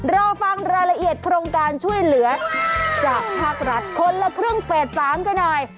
รอฟังรายละเอียดโครงการช่วยเหลือจากภาครัฐคนละครึ่งเฟส๓กันหน่อย